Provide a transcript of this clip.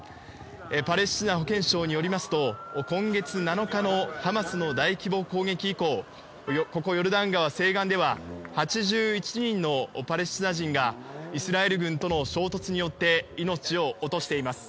パレスチナ保健省によりますと今月７日のハマスの大規模攻撃以降ここヨルダン川西岸では８１人のパレスチナ人がイスラエル軍との衝突によって命を落としています。